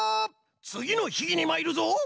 つぎのひぎにまいるぞ！